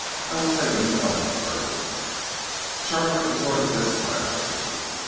I will take him to Ellensburg." Charlie absorbed this silently.